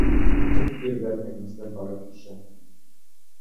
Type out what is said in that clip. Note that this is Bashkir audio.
Мук ергә тәкмәсләп барып төшә.